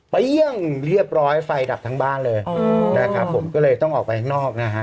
เยี่ยมเรียบร้อยไฟดับทั้งบ้านเลยนะครับผมก็เลยต้องออกไปข้างนอกนะฮะ